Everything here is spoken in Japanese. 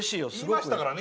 言いましたからね。